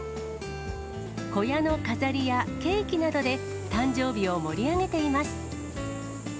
小屋の飾りやケーキなどで誕生日を盛り上げています。